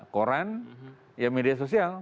koran ya media sosial